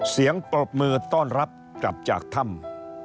ปรบมือต้อนรับกลับจากถ้ำ